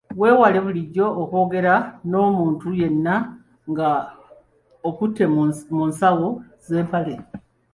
Weewale bulijjo okwogera n’omuntu yenna nga okutte mu nsawo z’empale.